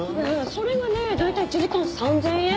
それがね大体１時間３０００円。